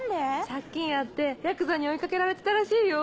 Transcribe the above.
・・借金あってヤクザに追いかけられてたらしいよ・・